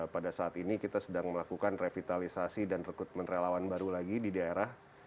pada saat ini kita sedang melakukan revitalisasi dan rekrutmen relawan baru lagi di daerah